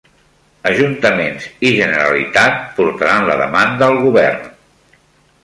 Ajuntaments i Generalitat portaran la demanda al govern